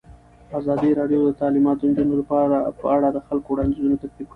ازادي راډیو د تعلیمات د نجونو لپاره په اړه د خلکو وړاندیزونه ترتیب کړي.